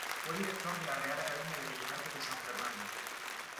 Fue director de la Real Academia de Bellas Artes de San Fernando.